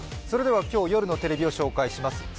それでは夜のテレビを紹介します。